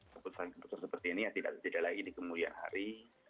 keputusan keputusan seperti ini ya tidak terjadi lagi di kemudian hari